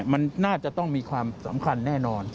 มันน่าจะต้องมีความสำคัญแน่นอน